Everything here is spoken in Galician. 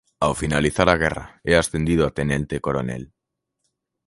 Ao finalizar a guerra é ascendido a tenente coronel.